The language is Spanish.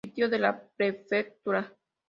Sitio de la Prefectura